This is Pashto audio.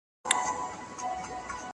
زه د معاشرتي نهادونو تنوع ته پام کوم.